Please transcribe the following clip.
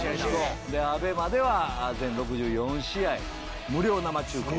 ＡＢＥＭＡでは全６４試合無料生中継。